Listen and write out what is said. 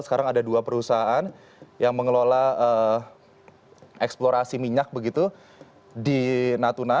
sekarang ada dua perusahaan yang mengelola eksplorasi minyak begitu di natuna